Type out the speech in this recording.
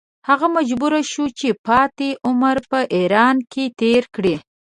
هغه مجبور شو چې پاتې عمر په ایران کې تېر کړي.